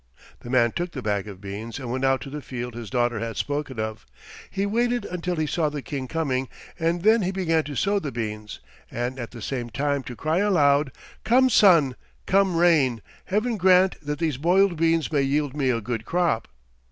The man took the bag of beans and went out to the field his daughter had spoken of. He waited until he saw the King coming, and then he began to sow the beans, and at the same time to cry aloud, "Come sun, come rain! Heaven grant that these boiled beans may yield me a good crop."